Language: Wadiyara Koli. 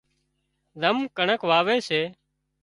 زم ڪڻڪ واوي سي